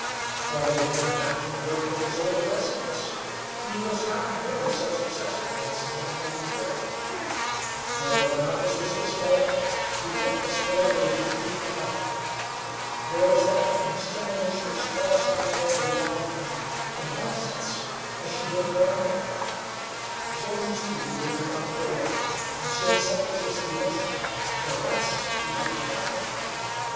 Although he went back to the work with his old aggressiveness, he was not nearly so successful as he had been before. Whether or not this was his fault, he took his failure deeply to heart. There was that in his tenderness which caused Nell to regard him, in one sense, as she did her uncle. Jim, too, leaned upon her, and she accepted his devotion where once she had repelled it.